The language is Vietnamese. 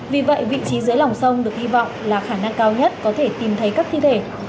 vì vậy vị trí dưới lòng sông được hy vọng là khả năng cao nhất có thể tìm thấy các thi thể